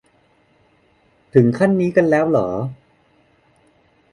ถึงขั้นนี่กันแล้วเหรอ